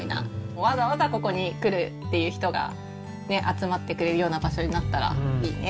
わざわざここに来るっていう人が集まってくれるような場所になったらいいね。